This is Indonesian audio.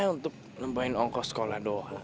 untuk nambahin ongkos sekolah doang